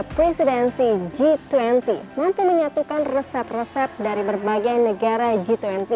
tentunya kita berharap indonesia sebagai presidensi g dua puluh mampu menyatukan resep resep dari berbagai negara g dua puluh